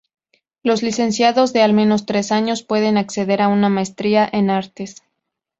Los Licenciados de al menos tres años pueden acceder a una Maestría en Artes.